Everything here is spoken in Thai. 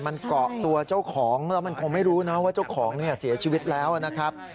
มันเกาะตัวเจ้าของแล้วมันคงไม่รู้นะว่าเจ้าของเนี่ยเสียชีวิตแล้วนะครับ